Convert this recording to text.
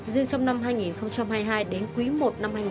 riêng trong năm hai nghìn hai mươi hai đến quý i năm hai nghìn hai mươi